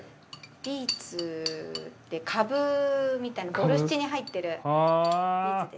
ビーツってカブみたいなボルシチに入ってるビーツです。